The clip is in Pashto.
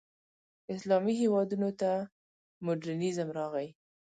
اسلامي هېوادونو ته مډرنیزم راغی.